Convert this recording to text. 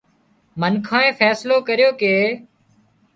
منکانئين فيصلو ڪريو ڪي